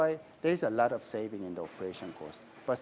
itu sebabnya banyak harga operasi yang terlibat